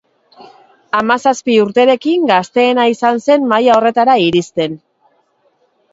Hamazazpi urterekin, gazteena izan zen maila horretara iristen.